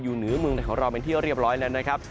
เหนือเมืองไทยของเราเป็นที่เรียบร้อยแล้วนะครับ